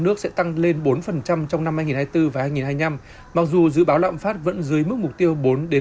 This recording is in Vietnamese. nước sẽ tăng lên bốn trong năm hai nghìn hai mươi bốn và hai nghìn hai mươi năm mặc dù dự báo lạm phát vẫn dưới mức mục tiêu bốn năm